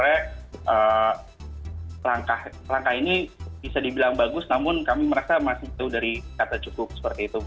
jadi sebenarnya langkah ini bisa dibilang bagus namun kami merasa masih itu dari kata cukup